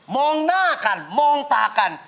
มองหน้ากันมองตากัน